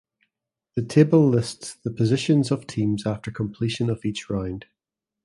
The table lists the positions of teams after completion of each round.